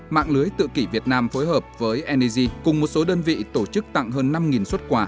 mạng lưới tự kỷ việt nam phối hợp với energy cùng một số đơn vị tổ chức tặng hơn năm xuất quà